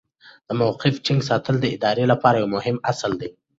د موقف ټینګ ساتل د ادارې لپاره یو مهم اصل دی.